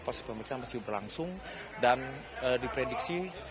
proses pemeriksaan masih berlangsung dan diprediksi